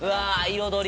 彩り！